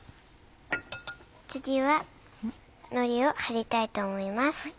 次はのりを張りたいと思います。